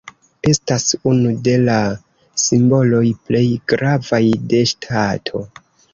Estas unu de la simboloj plej gravaj de ŝtato.